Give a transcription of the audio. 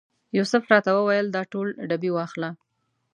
یوسف راته وویل دا ټول ډبې واخله.